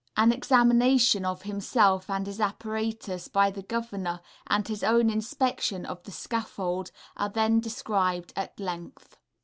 [An examination of himself and his apparatus by the Governor, and his own inspection of the scaffold, are then described at length.